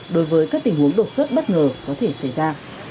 đối với các tình huống đột xuất bất ngờ có thể xảy ra